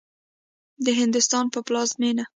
د هندوستان په پلازمېنه